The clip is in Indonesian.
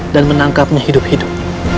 dan menangkapnya hidup hidup